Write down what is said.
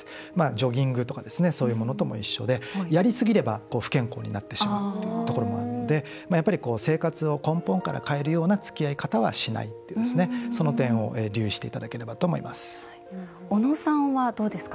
ジョギングとかそういうものとも一緒でやりすぎれば不健康になってしまうっていうところもあるので生活を根本から変えるようなつきあい方はしないっていうその点を留意していただければとおのさんはどうですか。